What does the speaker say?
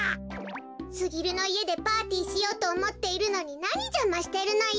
すぎるのいえでパーティーしようとおもっているのになにじゃましてるのよ。